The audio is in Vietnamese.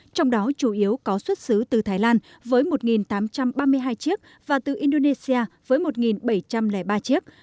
trong đó chủ yếu có xuất xứ từ thái lan với một tám trăm ba mươi hai chiếc và từ indonesia với một bảy trăm linh ba chiếc